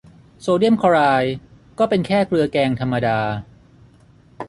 โซเดียมคลอไรด์ก็เป็นแค่เกลือแกงธรรมดา